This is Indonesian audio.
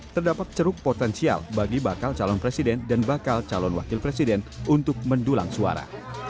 terdapat ceruk potensial bagi bakal calon presiden dan bakal calon wakil presiden untuk mendulang suara